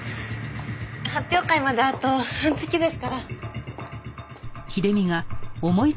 発表会まであと半月ですから。